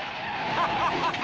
ハハハハ！